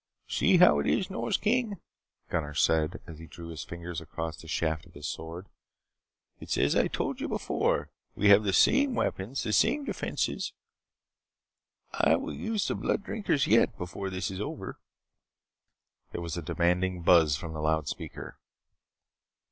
"See how it is, Nors King?" Gunnar said as he drew his fingers across the shaft of his sword. "It is as I told you before. We have the same weapons. The same defenses. I will use the Blood Drinkers yet, before this is over." There was a demanding buzz from the loudspeaker.